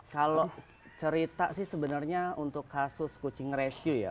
kalau cerita sih sebenarnya untuk kasus kucing rescue ya